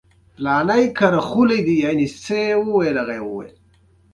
افغانستان کې ستوني غرونه د چاپېریال د تغیر نښه ده.